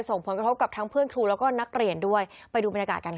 ส่งผลกระทบกับทั้งเพื่อนครูแล้วก็นักเรียนด้วยไปดูบรรยากาศกันค่ะ